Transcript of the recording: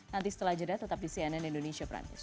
nanti setelah jeda tetap di cnn indonesia prime news